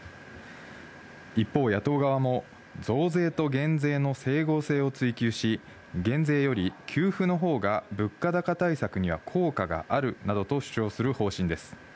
一方、野党側も増税と減税の整合性を追究し、減税より給付のほうが物価高対策には効果があるなどと主張する方針です。